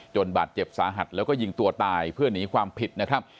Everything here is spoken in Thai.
บาดเจ็บสาหัสแล้วก็ยิงตัวตายเพื่อหนีความผิดนะครับ